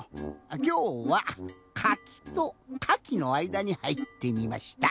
きょうは「かき」と「かき」のあいだにはいってみました。